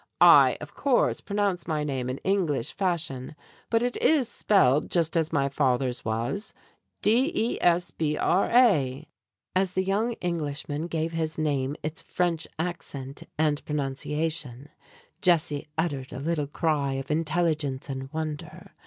I, of course, pronounce my name in English fashion, but it is spelled just as my father's was D e s b r a!" As the young Englishman gave his name its French accent and pronunciation, Jessie uttered a little cry of intelligence and wonder.